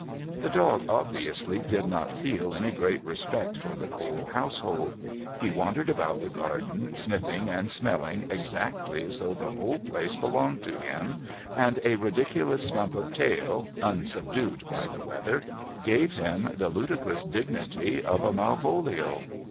The dog obviously did not feel any great respect for the Cole household. He wandered about the garden, sniffing and smelling exactly as though the whole place belonged to him, and a ridiculous stump of tail, unsubdued by the weather, gave him the ludicrous dignity of a Malvolio.